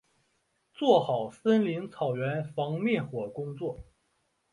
做好森林草原防灭火工作